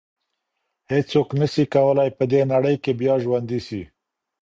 هیڅوک نسي کولای په دې نړۍ کي بیا ژوندی سي.